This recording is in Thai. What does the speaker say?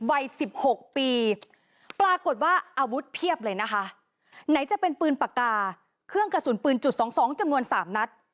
วัย๑๖ปีปรากฏว่าอาวุธเพียบเลยนะคะไหนจะเป็นปืนปากกาเครื่องกระสุนปืนจุดสองสองจำนวนสามนัด